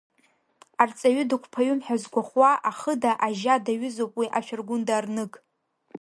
Арҵаҩы дықәԥаҩым ҳәа згәахәуа ахыда ажьа даҩызоуп уи ашәаргәында-арныг.